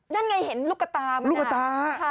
นั่นไงเห็นลูกตามันลูกตา